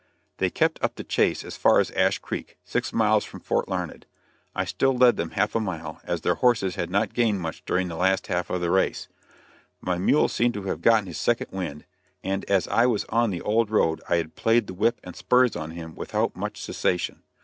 They kept up the chase as far as Ash Creek, six miles from Fort Larned. I still led them half a mile, as their horses had not gained much during the last half of the race. My mule seemed to have gotten his second wind, and as I was on the old road I had played the whip and spurs on him without much cessation.